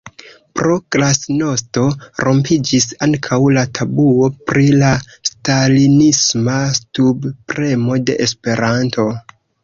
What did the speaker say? pro “glasnosto” rompiĝis ankaŭ la tabuo pri la stalinisma subpremo de Esperanto.